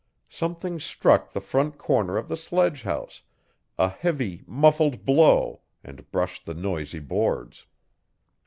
Something struck the front corner of the sledgehouse a heavy, muffled blow and brushed the noisy boards.